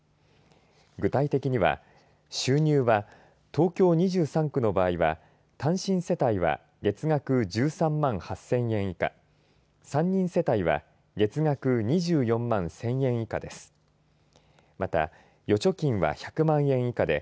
具体的には収入は、東京２３区の場合は単身世帯は月額１３万８０００円以下３人世帯は月額２４万１０００円以下です。